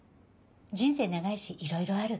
人生長いしいろいろある。